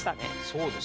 そうですね。